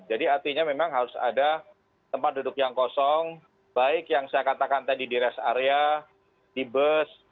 jadi artinya memang harus ada tempat duduk yang kosong baik yang saya katakan tadi di rest area di bus